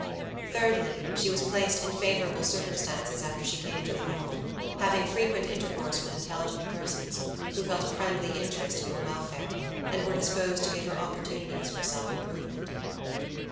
Thirdly, she was placed in favorable circumstances after she came to the North; having frequent intercourse with intelligent persons, who felt a friendly interest in her welfare, and were disposed to give her opportunities for self improvement.